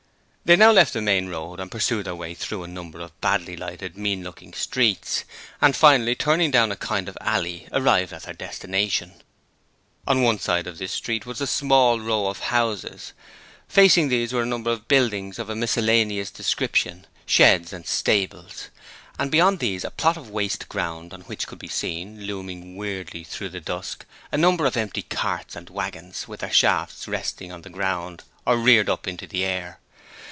They now left the main road and pursued their way through a number of badly lighted, mean looking streets, and finally turning down a kind of alley, arrived at their destination. On one side of this street was a row of small houses; facing these were a number of buildings of a miscellaneous description sheds and stables; and beyond these a plot of waste ground on which could be seen, looming weirdly through the dusk, a number of empty carts and waggons with their shafts resting on the ground or reared up into the air.